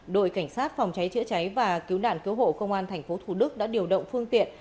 đội cảnh sát phòng cháy chữa cháy và cứu đạn cứu hộ công an thành phố thủ đức đã điều động phương tiện